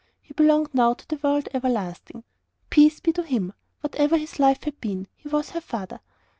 He belonged now to the world everlasting. Peace be to him! whatever his life had been, he was HER father.